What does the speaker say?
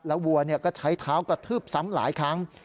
วัวก็ใช้เท้ากระทืบซ้ำหลายครั้ง